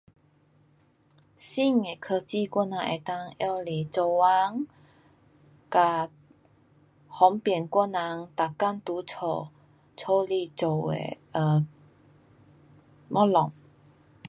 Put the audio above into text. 新的科技我人能够拿来做工，跟方便我人每天在家，家里做的 um 东西。